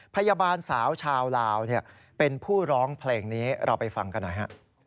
พยาบาลสาวชาวลาวเป็นผู้ร้องเพลงนี้เราไปฟังกันหน่อยฮะ